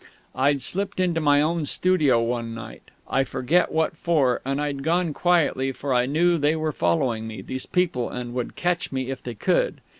I'd slipped into my own studio one night I forget what for; and I'd gone quietly, for I knew they were following me, those people, and would catch me if they could.